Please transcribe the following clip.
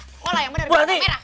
sekolah yang bener bener merah